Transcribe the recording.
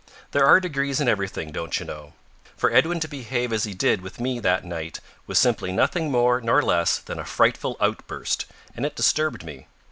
There are degrees in everything, don't you know. For Edwin to behave as he did with me that night was simply nothing more nor less than a frightful outburst, and it disturbed me.